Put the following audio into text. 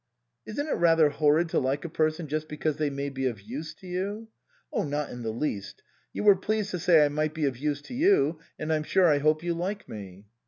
57 THE COSMOPOLITAN "Isn't it rather horrid to like a person just because they may be of use to you ?"" Not in the least. You were pleased to say I might be of use to you, and I'm sure I hope you like me."